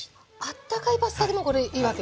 あったかいパスタでもこれいいわけですか。